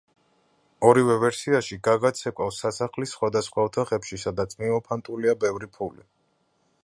ორივე ვერსიაში გაგა ცეკვავს სასახლის სხვადასხვა ოთახებში სადაც მიმოფანტულია ბევრი ფული.